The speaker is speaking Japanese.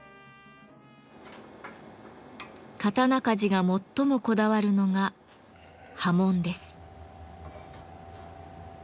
刀鍛冶が最もこだわるのが刃文です。